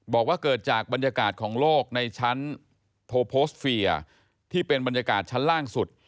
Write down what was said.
บอกว่าเกิดจากบรรยากาศของโลกในชั้นโพสเฟียที่เป็นบรรยากาศชั้นล่างสุด